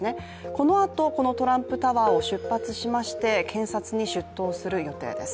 このあと、このトランプタワーを出発しまして検察に出頭する予定です。